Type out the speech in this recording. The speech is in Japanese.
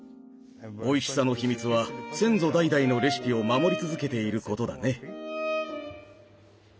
おいしさの秘密は先祖代々のレシピを守り続けていることだね。